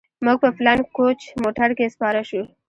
موږ په فلاينګ کوچ موټر کښې سپاره سو.